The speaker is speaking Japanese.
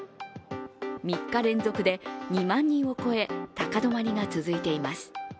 ３日連続で２万人を超え、高止まりが続いています。